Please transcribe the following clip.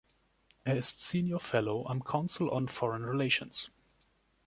Er ist Senior Fellow am Council on Foreign Relations.